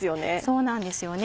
そうなんですよね